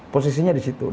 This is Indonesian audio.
posisinya di situ